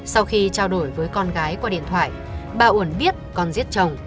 sau khi trao đổi với con gái qua điện thoại bà uẩn biết con giết chồng